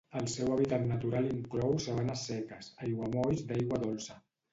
El seu hàbitat natural inclou sabanes seques, aiguamolls d'aigua dolça.